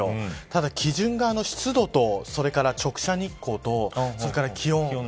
ただ基準が、湿度と直射日光とそれから気温。